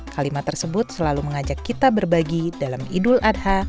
kalimat tersebut selalu mengajak kita berbagi dalam idul adha